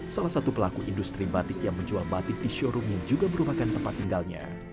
salah satu pelaku industri batik yang menjual batik di showroom yang juga merupakan tempat tinggalnya